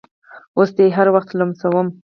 اوس دې هر وخت لمسوم